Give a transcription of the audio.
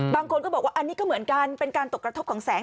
บางคนก็บอกว่าอันนี้ก็เหมือนกันเป็นการตกกระทบของแสง